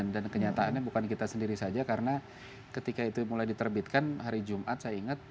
dan kenyataannya bukan kita sendiri saja karena ketika itu mulai diterbitkan hari jumat saya ingat